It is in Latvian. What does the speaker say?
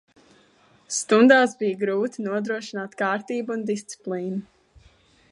Stundās bija grūti nodrošināt kārtību un disciplīnu.